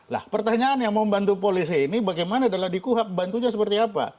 nah pertanyaan yang mau membantu polisi ini bagaimana adalah di kuhak bantunya seperti apa